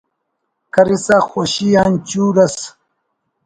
کرسا خوشی آن چور ئس